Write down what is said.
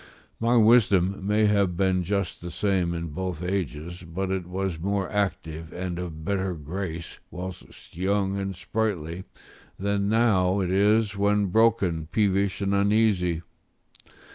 My wisdom may have been just the same in both ages, but it was more active, and of better grace whilst young and sprightly, than now it is when broken, peevish, and uneasy.